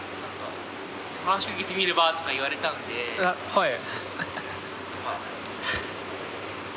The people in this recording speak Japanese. はい。